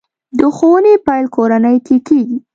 د ښوونې پیل کورنۍ کې کېږي.